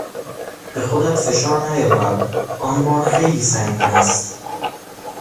به خودت فشار نیاور، آن بار خیلی سنگین است.